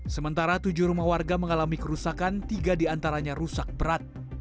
sementara tujuh rumah warga mengalami kerusakan tiga diantaranya rusak berat